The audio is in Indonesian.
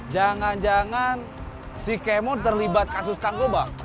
jangan jangan si kemon terlibat kasus kangkobang